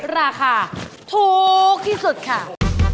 ราคาถูกที่สุดค่ะ